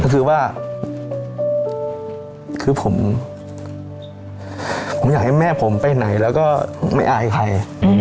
ก็คือว่าคือผมอยากให้แม่ผมไปไหนแล้วก็ไม่อายใคร